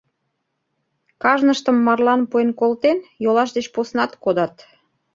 Кажныштым марлан пуэн колтен, йолаш деч поснат кодат.